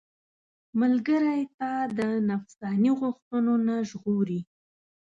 ملګری تا د نفساني غوښتنو نه ژغوري.